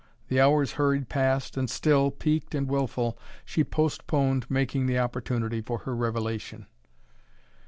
The hours hurried past, and still, piqued and wilful, she postponed making the opportunity for her revelation.